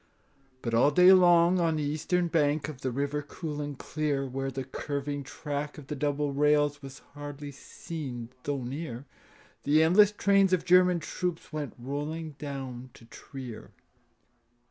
But all day long on the eastern bank Of the river cool and clear, Where the curving track of the double rails Was hardly seen though near, The endless trains of German troops Went rolling down to Trier.